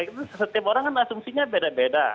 itu setiap orang kan asumsinya beda beda